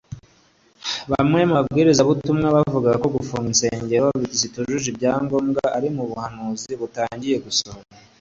Bamwe mu babwiriza butumwa bavuga ko gufunga insengero zitujuje ibya ngombwa ari ubuhanuzi butangiye gusohora